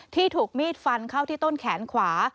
ที่ถูกมีดฟันเข้าที่ต้นแขนขวา